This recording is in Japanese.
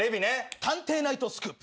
探偵ナイトスクープ。